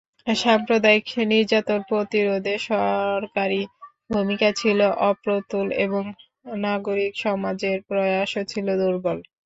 সাম্প্রদায়িক নির্যাতন-প্রতিরোধে সরকারি ভূমিকা ছিল অপ্রতুল এবং নাগরিক সমাজের প্রয়াসও ছিল দুর্বল।